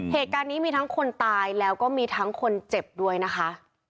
เหตุการณ์นี้มีทั้งคนตายแล้วก็มีทั้งคนเจ็บด้วยนะคะ